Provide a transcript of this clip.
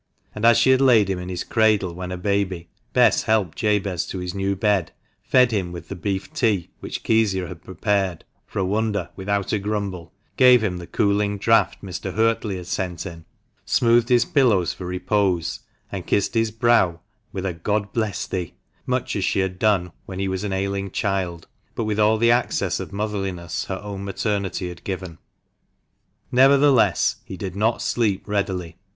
And as she had laid him in his cradle when a baby, Bess helped Jabez to his _new bed, fed him with the beef tea which Kezia had prepared (for a wonder, without a grumble), gave him the cooling draught Mr. Huertley had sent in, smoothed his pillows for repose, and kissed his brow, with a " God bless thee 1" much as she had done when he was an ailing child, but with all the access of motherliness her own maternity had given. Nevertheless he did not sleep readily.